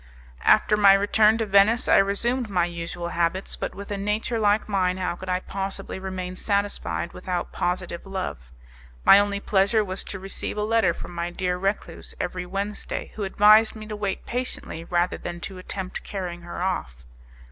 After my return to Venice, I resumed my usual habits; but with a nature like mine how could I possibly remain satisfied without positive love? My only pleasure was to receive a letter from my dear recluse every Wednesday, who advised me to wait patiently rather than to attempt carrying her off.